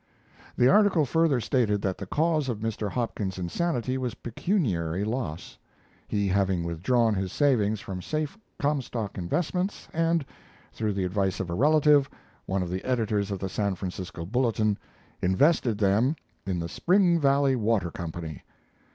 The article further stated that the cause of Mr. Hopkins's insanity was pecuniary loss, he having withdrawn his savings from safe Comstock investments and, through the advice of a relative, one of the editors of the San Francisco Bulletin, invested them in the Spring Valley Water Company.